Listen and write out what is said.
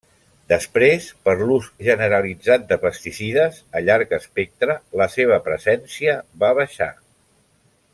Després, per l'ús generalitzat de pesticides a llarg espectre, la seva presència va baixar.